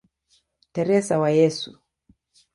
Teresa wa Yesu".